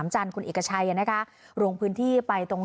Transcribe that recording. เบื้องต้นไปแจ้งความมาไว้แล้วที่สภบ้านโภค่ะ